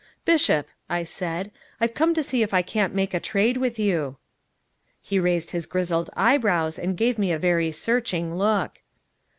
"Bishop," I said, "I've come to see if I can't make a trade with you!" He raised his grizzled eyebrows and gave me a very searching look.